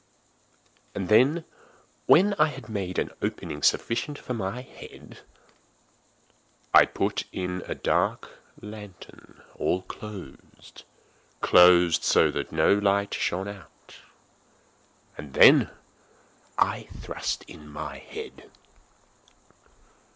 And then, when I had made an opening sufficient for my head, I put in a dark lantern, all closed, closed, that no light shone out, and then I thrust in my head.